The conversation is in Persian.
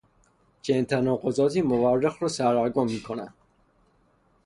چنین تناقضاتی مورخ را سردرگم میکند.